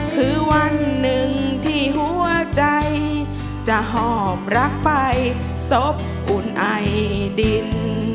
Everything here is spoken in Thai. คือวันหนึ่งที่หัวใจจะหอบรักไปศพคุณไอดิน